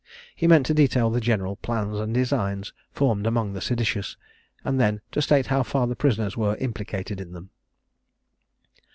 He meant to detail the general plans and designs formed among the seditious, and then to state how far the prisoners were implicated in them.